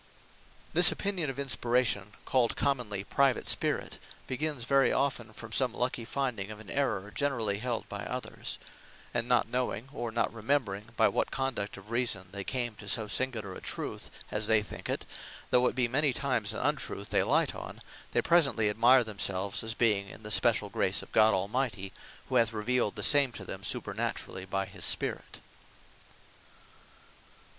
This opinion of Inspiration, called commonly, Private Spirit, begins very often, from some lucky finding of an Errour generally held by others; and not knowing, or not remembring, by what conduct of reason, they came to so singular a truth, (as they think it, though it be many times an untruth they light on,) they presently admire themselves; as being in the speciall grace of God Almighty, who hath revealed the same to them supernaturally, by his Spirit.